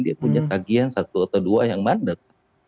dia punya tagihan satu atau dua yang mandat